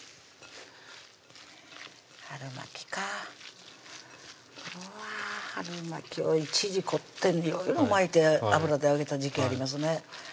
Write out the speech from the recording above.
春巻きかうわぁ春巻きを一時凝っていろいろ巻いて油で揚げた時期ありますね